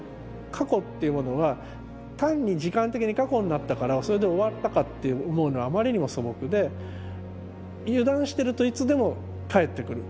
過去っていうものは単に時間的に過去になったからそれで終わったかって思うのはあまりにも素朴で油断してるといつでも帰ってくる。